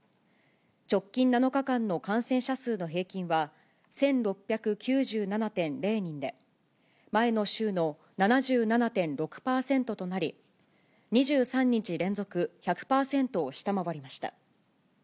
直近７日間の感染者数の平均は１６９７．０人で、前の週の７７．６％となり、２３日連続１００％を下回りました。